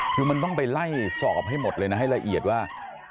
คือมันต้องไปไล่สอบให้หมดเลยนะให้ละเอียดว่า